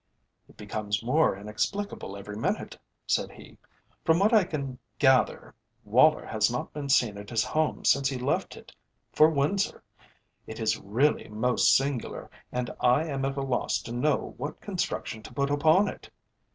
"It becomes more inexplicable every minute," said he. "From what I can gather Woller has not been seen at his house since he left it for Windsor. It is really most singular, and I am at a loss to know what construction to put upon it.